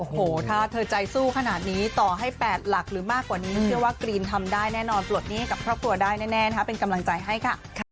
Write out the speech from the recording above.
โอ้โหถ้าเธอใจสู้ขนาดนี้ต่อให้๘หลักหรือมากกว่านี้เชื่อว่ากรีนทำได้แน่นอนปลดหนี้ให้กับครอบครัวได้แน่นะคะเป็นกำลังใจให้ค่ะ